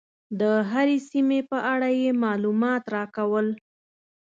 د هرې سیمې په اړه یې معلومات راکول.